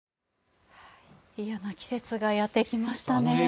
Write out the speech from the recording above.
嫌な季節がやってきましたね。